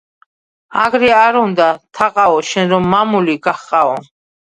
აგრე არ უნდა, თაყაო შენ რომ მამული გაჰყაო